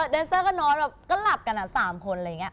เดนเซอร์ก็นอนก็หลับกัน๓คน